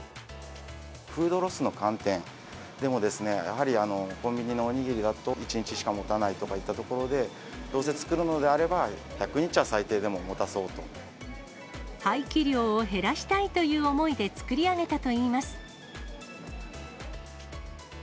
フードロスの観点でも、やはりコンビニのお握りだと１日しかもたないとかいったところで、どうせ作るのであれば、廃棄量を減らしたいという思いで作り上げたといいます。